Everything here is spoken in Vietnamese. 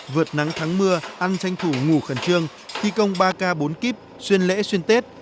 vượt nắng thắng mưa ăn tranh thủ ngủ khẩn trương thi công ba k bốn k xuyên lễ xuyên tết